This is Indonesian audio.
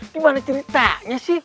gimana ceritanya sih